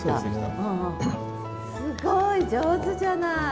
すごい上手じゃない！